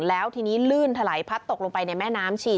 แล้วทีนี้ลื่นถลายพัดตกลงไปในแม่น้ำฉีด